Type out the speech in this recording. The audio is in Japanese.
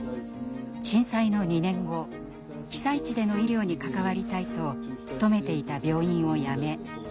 震災の２年後被災地での医療に関わりたいと勤めていた病院を辞め診療所で働くことを決めました。